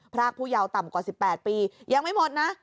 รากผู้ยาวต่ำกว่า๑๘ปียังไม่หมดนะ